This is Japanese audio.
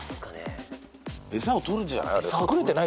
エサを捕るんじゃない？